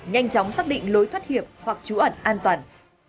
nhanh chóng xác định lối thoát hiểm hoặc trú ẩn an toàn